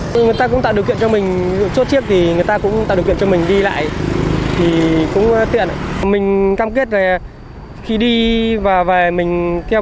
để tạo thuận lợi cho doanh nghiệp sớm khôi phục sản xuất công nhân sớm trở lại làm việc